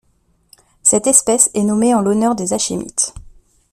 Cette espèce est nommée en l'honneur des Hachémites.